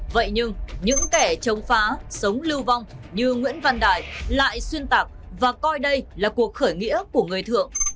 vậy nhưng những kẻ chống phá sống lưu vong như nguyễn văn đại lại xuyên tạc và coi đây là cuộc khởi nghĩa của người thượng